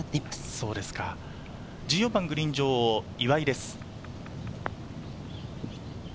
１４番のグリーン上は岩井です。